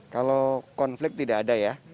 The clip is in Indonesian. kalau konflik tidak ada ya